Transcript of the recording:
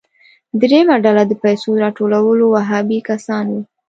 دریمه ډله د پیسو راټولولو وهابي کسان وو.